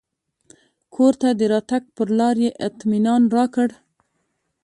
کور ته د راتګ پر لار یې اطمنان راکړ.